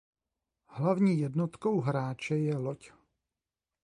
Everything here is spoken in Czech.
Hlavní jednotkou hráče je loď.